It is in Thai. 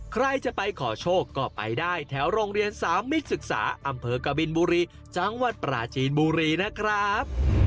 ใครจะไปขอโชคก็ไปได้แถวโรงเรียนสามมิตรศึกษาอำเภอกบินบุรีจังหวัดปราจีนบุรีนะครับ